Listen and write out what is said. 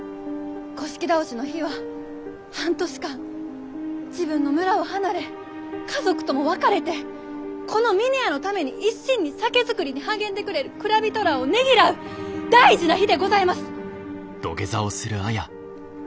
倒しの日は半年間自分の村を離れ家族とも別れてこの峰屋のために一心に酒造りに励んでくれる蔵人らあをねぎらう大事な日でございます！